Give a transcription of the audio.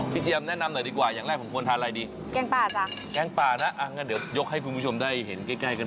พี่เจียมแนะนำหน่อยดีกว่าอย่างแรกควรทานอะไรดี